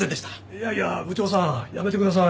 いやいや部長さんやめてください。